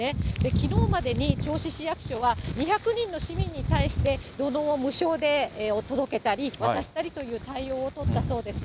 きのうまでに銚子市役所は２００人の市民に対して土のうを無償で届けたり、渡したりという対応を取ったそうです。